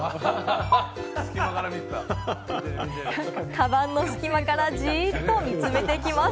カバンの隙間からじーっと見つめてきます。